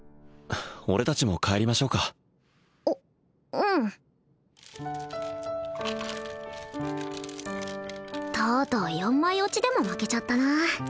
俺達も帰りましょうかううんとうとう４枚落ちでも負けちゃったな